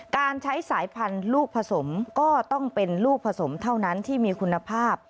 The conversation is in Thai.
การใช้สายพันธุ์ลูกผสมก็ต้องเป็นลูกผสมเท่านั้นที่มีคุณภาพ